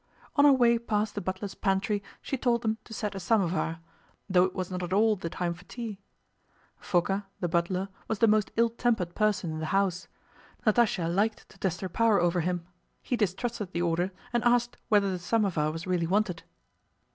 On her way past the butler's pantry she told them to set a samovar, though it was not at all the time for tea. Fóka, the butler, was the most ill tempered person in the house. Natásha liked to test her power over him. He distrusted the order and asked whether the samovar was really wanted.